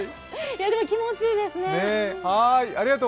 気持ちいいですね。